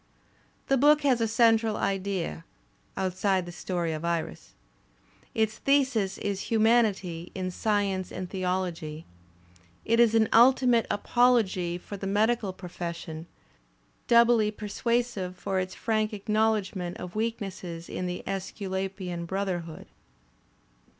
The book has a central idea (outside the story of Iris); its thesis is humanity in science and theology. It is an ultimate apology for the medical profession, doubly persuasive for its frank acknowledgment of weaknesses in the iSsculapian brotherhood.